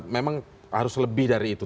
memang harus lebih dari itu